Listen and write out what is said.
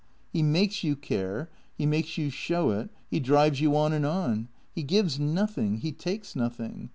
He makes you care, he makes you show it, he drives you on and on. He gives nothing; he takes nothing.